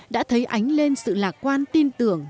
đã thấy ánh lên sự lạc quan tin tưởng